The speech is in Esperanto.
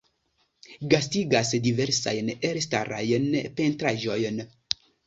Gastigas diversajn elstarajn pentraĵojn.